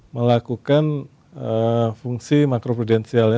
melakukan fungsi makro prudensialnya